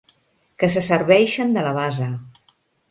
Que se serveixen de la base.